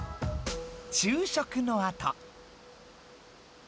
昼食のあと。